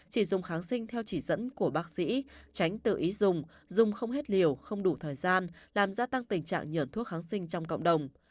chỉ dùng kháng sinh theo chỉ dẫn của bác sĩ tránh tự ý dùng dùng không hết liều không đủ thời gian làm gia tăng tình trạng nhận thuốc kháng sinh trong cộng đồng